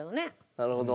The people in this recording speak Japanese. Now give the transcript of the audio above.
なるほど。